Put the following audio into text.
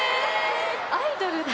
アイドルだ！